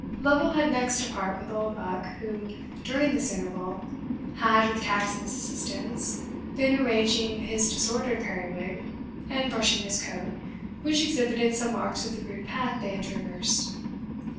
Lovel had next to part with Oldbuck, who, during this interval, had, with Caxon's assistance, been arranging his disordered periwig, and brushing his coat, which exhibited some marks of the rude path they had traversed.